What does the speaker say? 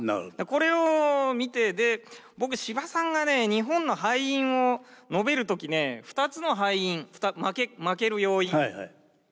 これを見て僕司馬さんがね日本の敗因を述べる時ね２つの敗因負ける要因。